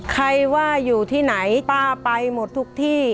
ใครว่าอยู่ที่ไหนป้าไปหมดทุกที่